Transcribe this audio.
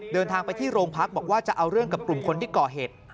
เดินทางไปที่โรงพักบอกว่าจะเอาเรื่องกับกลุ่มคนที่ก่อเหตุ